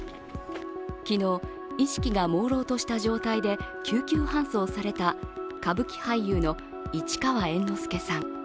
昨日、意識がもうろうとした状態で救急搬送された歌舞伎俳優の市川猿之助さん。